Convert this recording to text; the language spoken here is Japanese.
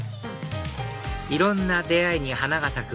いろんな出会いに花が咲く